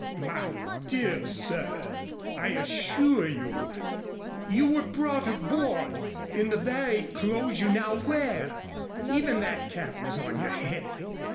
"My dear sir, I assure you you were brought aboard in the very clothes you now wear. Even that cap was on your head.